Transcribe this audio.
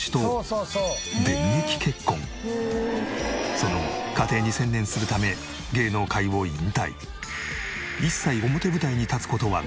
その後家庭に専念するため芸能界を引退。